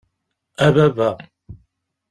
A baba!